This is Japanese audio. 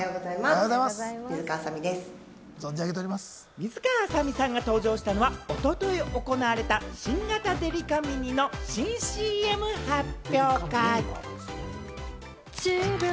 水川あさみさんが登場したのは一昨日行われた新型デリカミニの新ＣＭ発表会。